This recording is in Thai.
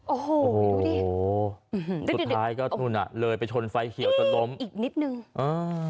โอ้โหสุดท้ายก็นู่นอ่ะเลยไปชนไฟเขียวจนล้มอีกนิดนึงอ่า